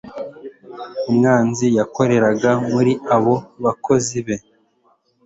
umwanzi yakoreraga muri abo bakozi be